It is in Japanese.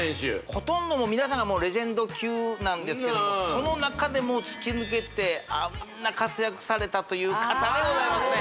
ほとんど皆さんがもうレジェンド級なんですけどもそのなかでも突き抜けてあんな活躍されたという方でございますね